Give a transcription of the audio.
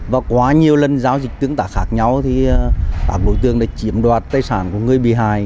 và quá nhiều lần giao dịch tướng tả khác nhau thì các đối tương đã chiếm đoạt tài sản của người bì hài